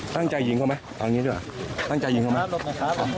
ตั้งใจหยิงเข้าไหมตั้งใจหยิงเข้าไหมขออนุญาตนะครับ